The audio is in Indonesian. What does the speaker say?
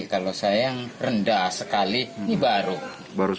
kalau saya yang rendah sekali ini baru